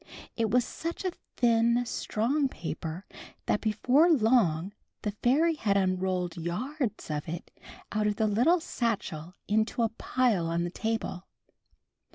It was such a thin strong paper that before long the fairy had unrolled yards of it out of the little satchel into a pile on the table.